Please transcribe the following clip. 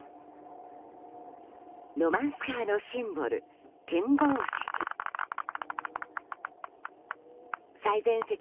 ロマンスカーのシンボル展望席。